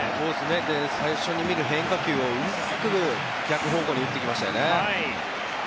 最初に見る変化球をうまく逆方向に打ってきましたね。